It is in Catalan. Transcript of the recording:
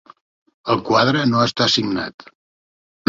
El quadre no està signat.